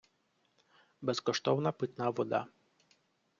Безкоштовна питна вода.